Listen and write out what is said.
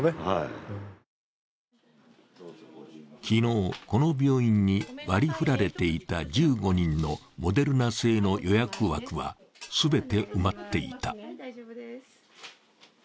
昨日、この病院に割り振られていた１５人のモデルナ製の予約枠は全て埋まっていた。